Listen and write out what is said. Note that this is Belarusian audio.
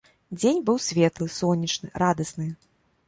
Дзень быў светлы, сонечны, радасны.